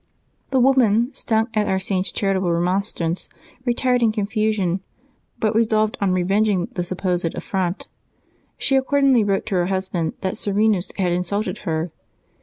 The woman, stung at our Saint's charitable remonstrance, retired in confusion, but resolved on revenging the supposed affront. She ac cordingly wrote to her husband that Serenus had insulted her.